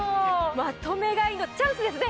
まとめ買いのチャンスですね。